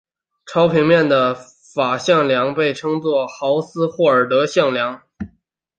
超平面的法向量被称作豪斯霍尔德向量。